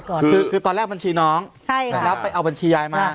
คือคือตอนแรกบัญชีน้องรับไปเอาบัญชียายมา